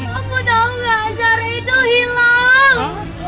tahu tau nggak jaranya itu hilang